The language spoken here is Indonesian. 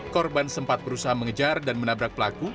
korban sempat berusaha mengejar dan menabrak pelaku